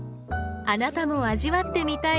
あなたも味わってみたい